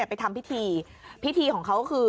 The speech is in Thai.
ไปทำพิธีพิธีของเขาคือ